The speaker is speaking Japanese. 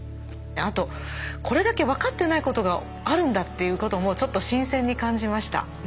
あとこれだけ分かってないことがあるんだっていうこともちょっと新鮮に感じました。